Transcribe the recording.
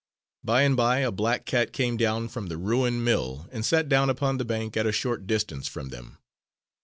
By and by a black cat came down from the ruined mill, and sat down upon the bank at a short distance from them.